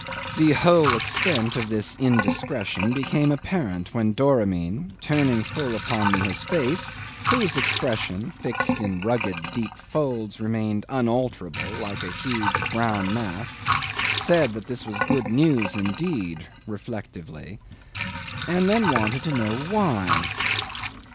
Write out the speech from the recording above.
The whole extent of this indiscretion became apparent when Doramin, turning full upon me his face, whose expression, fixed in rugged deep folds, remained unalterable, like a huge brown mask, said that this was good news indeed, reflectively; and then wanted to know why.